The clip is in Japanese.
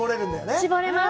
絞れます。